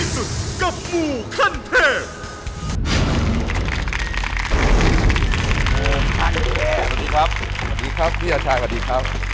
สวัสดีครับพี่อาชายสวัสดีครับ